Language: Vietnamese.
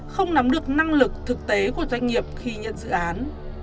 không nắm được năng lực thực tế của doanh nghiệp khi nhận dự án